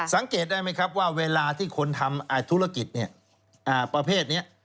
สังเกตได้ไหมครับว่าเวลาที่คนทำอ่าธุรกิจเนี้ยอ่าประเภทเนี้ย